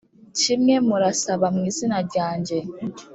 kimwe murasaba mu izina ryanjye